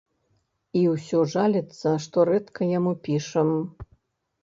І ўсё жаліцца, што рэдка яму пішам.